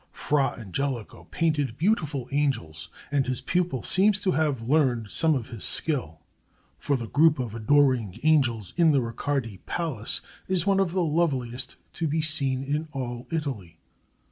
Fra Angelico painted beautiful angels, and his pupil seems to have learned some of his skill; for the group of Adoring Angels in the Riccardi Palace is one of the loveliest to be seen in all Italy.